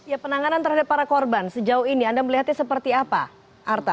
ya penanganan terhadap para korban sejauh ini anda melihatnya seperti apa arta